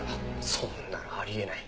そんなのあり得ない。